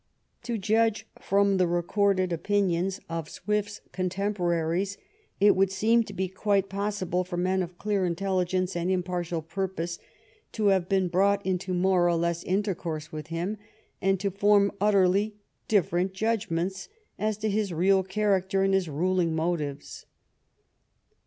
To judge from the recorded opinions of Swift's contemporaries, it would seem to be quite possible for men of clear intelligence and im partial purpose to have been brought into more or less intercourse with him and to form utterly different judgments as to his real character and his ruling motives.